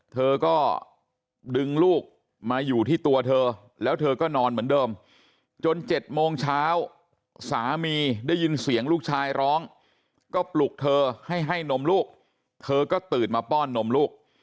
เธอก็ดึงลูกมาอยู่ที่ตัวเธอแล้วเธอก็นอนเหมือนเดิมจน๗โมงเช้าสามีได้ยินเสียงลูกชายร้องก็ปลุกเธอให้ให้นมลูกเธอก็ตื่นมาป้อนนมลูก